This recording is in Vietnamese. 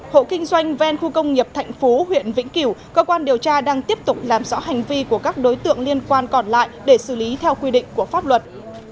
hộ kinh doanh ven khu công nghiệp thạnh phú huyện vĩnh kiểu cơ quan điều tra đang tiếp tục làm rõ hành vi của các đối tượng liên quan còn lại để xử lý theo quy định của pháp luật